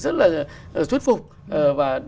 rất là thuyết phục và